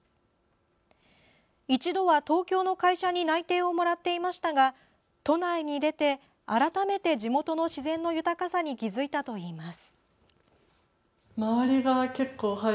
一度は東京の会社に内定をもらっていましたが都内に出て、改めて地元の自然の豊かさに気づいたといいます。